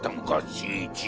新一。